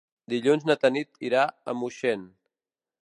Dilluns na Tanit irà a Moixent.